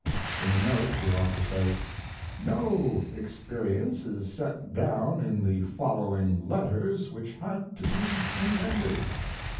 In a note the author says: "No experience is set down in the following letters which had to be invented.